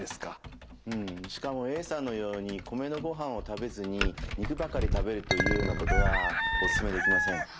うんしかもＡさんのように米のごはんを食べずに肉ばかり食べるというようなことはお勧めできません。